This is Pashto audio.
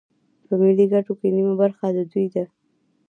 په ملي ګټو کې نیمه برخه د دوی ده